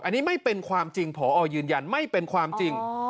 อันนี้ไม่เป็นความจริงพอยืนยันไม่เป็นความจริง